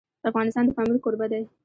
افغانستان د پامیر کوربه دی.